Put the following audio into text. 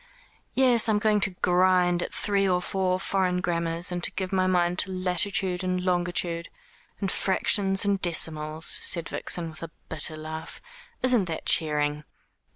"Yes, I am going to grind at three or four foreign grammars, and to give my mind to latitude and longitude, and fractions, and decimals," said Vixen, with a bitter laugh. "Isn't that cheering?"